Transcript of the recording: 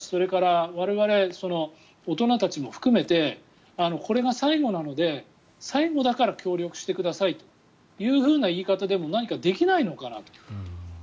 子どもたちそれから我々大人たちも含めてこれが最後なので最後だから協力してくださいというふうな言い方でも何かできないのかなと。